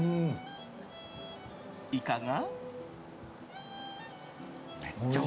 いかが？